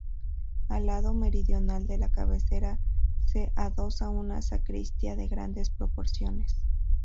Al lado meridional de la cabecera se adosa una sacristía de grandes proporciones.